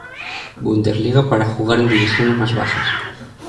Bundesliga para jugar en divisiones más bajas.